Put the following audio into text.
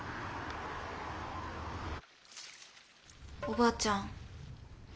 おばあちゃん。